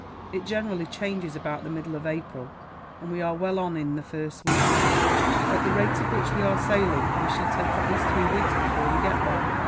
It generally changes about the middle of April, and we are well on in the first week, now. At the rate at which we are sailing, we shall take at least three weeks before we get there.